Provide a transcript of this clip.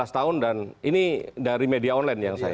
lima belas tahun dan ini dari media online yang saya